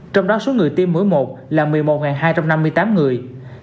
trong đó số người tiêm mỗi một là một mươi một hai trăm năm mươi tám người